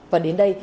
và đến đây